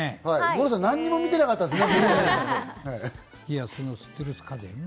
五郎さん、何も見てなかったですね？